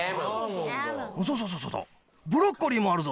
そうそうブロッコリーもあるぞ。